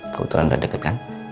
kebetulan udah deket kan